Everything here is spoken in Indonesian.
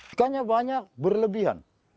ikannya banyak berlebihan